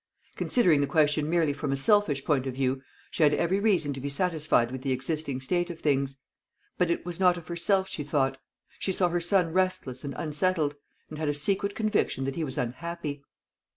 Considering the question merely from a selfish point of view, she had every reason to be satisfied with the existing state of things; but it was not of herself she thought. She saw her son restless and unsettled, and had a secret conviction that he was unhappy.